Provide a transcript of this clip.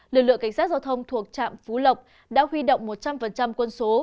lực lượng cảnh sát giao thông thuộc trạm phú lộc đã huy động một trăm linh quân số